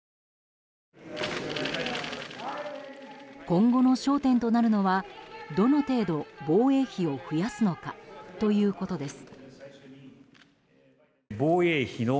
今後の焦点となるのはどの程度、防衛費を増やすのかということです。